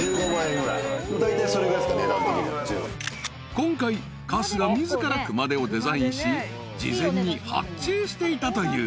［今回春日自ら熊手をデザインし事前に発注していたという］